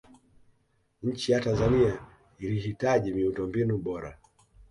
nchi ya tanzania ilihitaji miundombinu bora